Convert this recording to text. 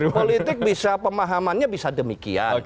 politik bisa pemahamannya bisa demikian